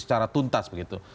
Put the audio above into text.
secara tuntas begitu